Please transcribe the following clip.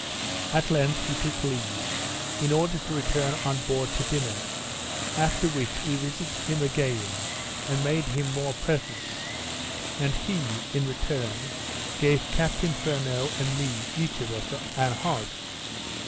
At length we took leave, in order to return on board to dinner, after which, we visited him again, and made him more presents, and he, in return, gave Captain Furneaux and me each of us an hog.